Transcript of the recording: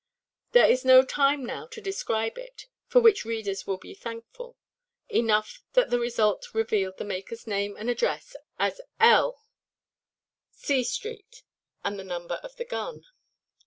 There is no time now to describe it—for which readers will be thankful—enough that the result revealed the makerʼs name and address, "L——, C——r–street," and the number of the gun.